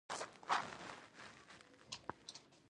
ایا خوب مو ښه دی؟